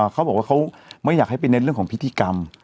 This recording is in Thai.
เขาบอกว่าเขาไม่อยากให้ไปเน้นเรื่องของพิธีกรรม